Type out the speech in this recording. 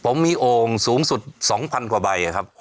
ผมมีโอ่งสูงสุด๒๐๐๐กว่าใบครับ